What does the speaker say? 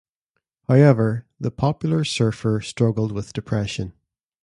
However, the popular surfer struggled with depression.